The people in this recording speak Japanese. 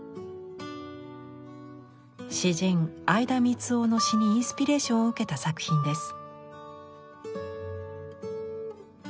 詩人相田みつをの詩にインスピレーションを受けた作品です。